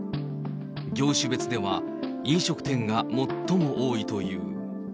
業種別では、飲食店が最も多いという。